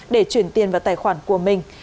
để chuyển tiền vào tài khoản của mình